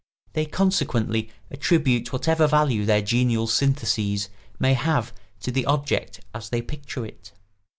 They consequently attribute whatever value their genial syntheses may have to the object as they picture it.